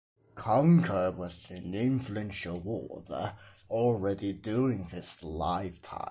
Cankar was an influential author already during his lifetime.